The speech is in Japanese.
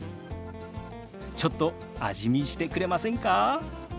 ちょっと味見してくれませんか？